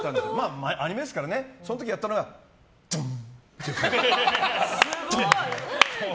アニメですからねその時やったのが、ドンって。